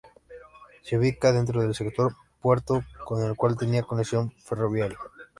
Se ubica dentro del sector "Puerto", con el cual tenía conexión ferroviaria.